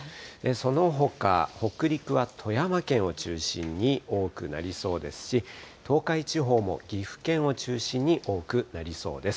そのほか、北陸は富山県を中心に多くなりそうですし、東海地方も岐阜県を中心に多くなりそうです。